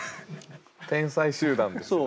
天才集団ですよ。